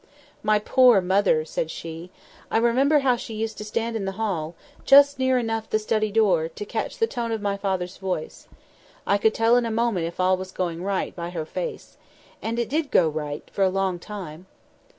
"My poor mother!" said she. "I remember how she used to stand in the hall, just near enough the study door, to catch the tone of my father's voice. I could tell in a moment if all was going right, by her face. And it did go right for a long time."